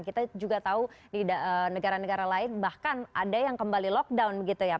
kita juga tahu di negara negara lain bahkan ada yang kembali lockdown begitu ya